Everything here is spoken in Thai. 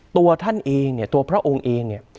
ตัวท่านเองเนี่ยตัวพระองค์เองเนี่ย